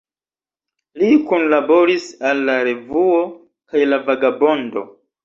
Li kunlaboris al La Revuo kaj La Vagabondo.